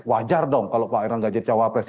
wajar dong kalau pak erlangga jadi cawapres